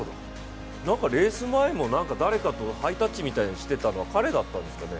レース前も誰かとハイタッチみたいなのしてたのは彼だったんですかね？